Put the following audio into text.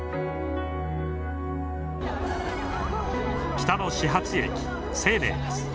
北の始発駅西寧です。